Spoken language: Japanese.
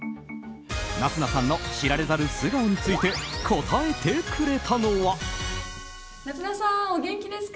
夏菜さんの知られざる素顔について答えてくれたのは。